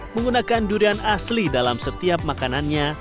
menggunakan durian asli dalam setiap makanannya